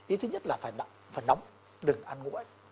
ý thứ nhất là phải nặng phải nóng đừng ăn mũi